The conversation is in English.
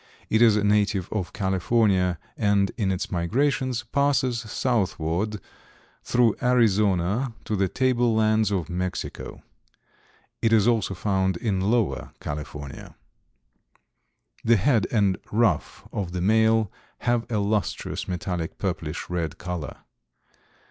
It is a native of California and in its migrations passes southward through Arizona to the table lands of Mexico. It is also found in Lower California. The head and ruff of the male have a lustrous metallic purplish red color.